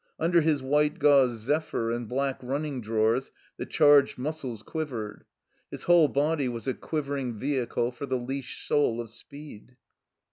Under his white gauze "zephyr" and black running drawers the charged muscles quivered. His whole body was a quivering vehicle for the leashed soul of speed.